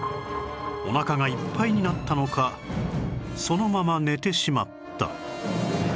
おなかがいっぱいになったのかそのまま寝てしまった